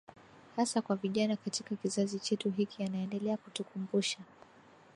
hasa kwa vijana katika kizazi chetu hiki Anandelea kutukumbusha